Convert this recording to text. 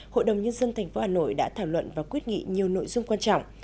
hội đồng nhân dân thành phố hà nội đã thảo luận và quyết nghị nhiều nội dung quan trọng